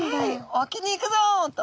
「沖に行くぞ」と。